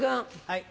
はい。